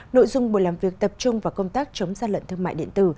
nội dung buổi làm việc tập trung vào công tác chống gian lận thương mại điện tử